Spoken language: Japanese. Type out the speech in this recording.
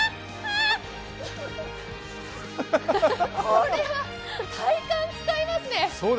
これは体幹使いますね。